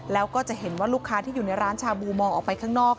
แล้วก็จะเห็นว่าลูกค้าที่อยู่ในร้านชาบูมองออกไปข้างนอก